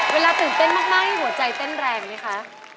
เวลาตื่นเต้นมากหัวใจเต้นแรงไหมคะ